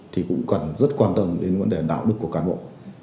thì cũng cần rất quan tâm đến vấn đề đạo đức của cán bộ